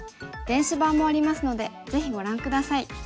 電子版もありますのでぜひご覧下さい。